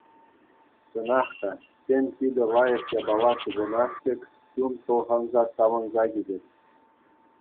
Чӑнах та, тем питӗ лайӑх япала тупӑнас пек чун пӑлханса савӑнса кӗтет.